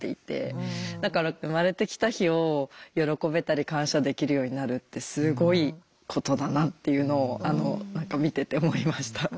だから生まれてきた日を喜べたり感謝できるようになるってすごいことだなっていうのを何か見てて思いました。